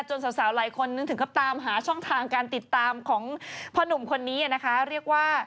สาวหลายคนนั้นถึงกับตามหาช่องทางการติดตามของพ่อหนุ่มคนนี้นะคะเรียกว่า